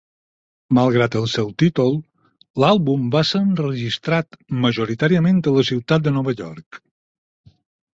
Malgrat el seu títol, l'àlbum va ser enregistrat majoritàriament a la ciutat de Nueva York.